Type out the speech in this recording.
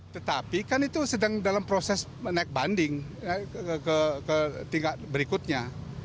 tetapi kan itu sedang dalam proses menaik banding ke tingkat berikutnya